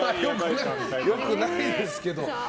良くないですけど。